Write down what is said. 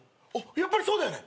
やっぱりそうだよね？